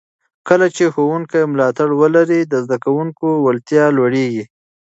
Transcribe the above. کله چې ښوونکي ملاتړ ولري، د زده کوونکو وړتیا لوړېږي.